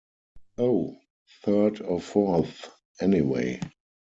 Oh, third or fourth, anyway.